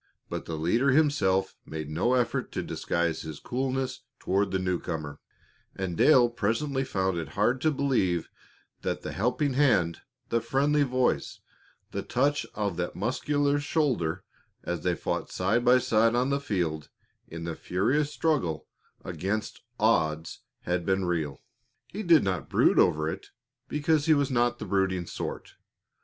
But the leader himself made no effort to disguise his coolness toward the new comer, and Dale presently found it hard to believe that the helping hand, the friendly voice, the touch of that muscular shoulder as they fought side by side on the field in the furious struggle against odds had been real. He did not brood over it, because he was not of the brooding sort.